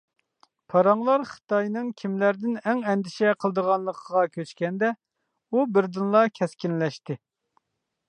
پاراڭلار خىتاينىڭ كىملەردىن ئەڭ ئەندىشە قىلىدىغانلىقىغا كۆچكەندە ئۇ بىردىنلا كەسكىنلەشتى.